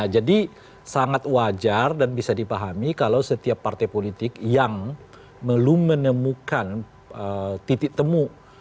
jadi sangat wajar dan bisa dipahami kalau setiap partai politik yang belum menemukan titik temu